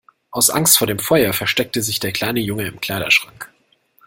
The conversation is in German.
Aus Angst vor dem Feuer versteckte sich der kleine Junge im Kleiderschrank.